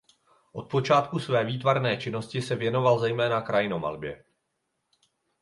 Od počátku své výtvarné činnosti se věnoval zejména krajinomalbě.